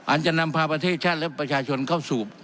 อาจจะนำพาประเทศชาติและประชาชนเข้าสู่